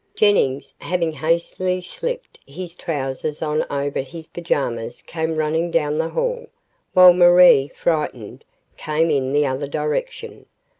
Jennings, having hastily slipped his trousers on over his pajamas came running down the hall, while Marie, frightened, came in the other direction.